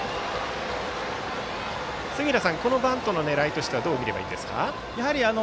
杉浦さん、このバントの狙いはどう見ればいいですか？